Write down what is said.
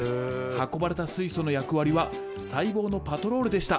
運ばれた水素の役割は細胞のパトロールでした。